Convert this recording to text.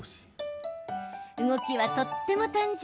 動きは、とっても単純。